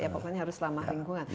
pokoknya harus selama lingkungan